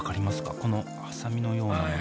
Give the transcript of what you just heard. このハサミのようなもの